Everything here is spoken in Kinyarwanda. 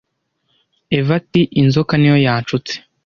eva ati inzoka niyo yanshutse